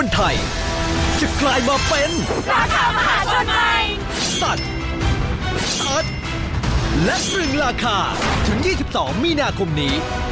ถึง๒๒มีนาคมนี้